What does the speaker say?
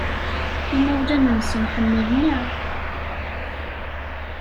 Imawlan-nsen ḥemmlen-aɣ.